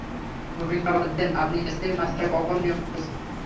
ভূমিকা বাদ দেন, আপনি স্থায়ী মাস্টার কখন নিয়োগ করছেন?